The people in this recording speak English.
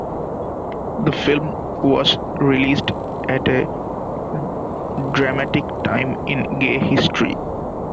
The film was released at a dramatic time in gay history.